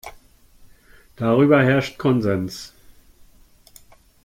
Darüber herrscht Konsens.